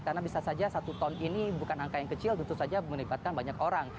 karena bisa saja satu ton ini bukan angka yang kecil tentu saja menyebabkan banyak orang